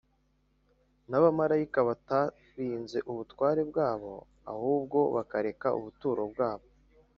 n’abamarayika batarinze ubutware bwabo ahubwo bakareka ubuturo bwabo